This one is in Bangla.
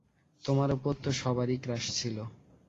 তোমার ওপর তো সবারই ক্রাশ ছিল।